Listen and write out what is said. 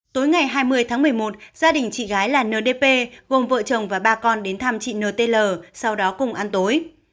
tối ngày hai mươi tháng một mươi một gia đình chị gái là n d p gồm vợ chồng và ba con đến thăm chị n t l sau đó cùng ăn tối